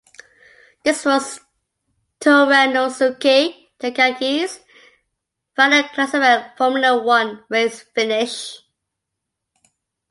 This was Toranosuke Takagi's final classified Formula One race finish.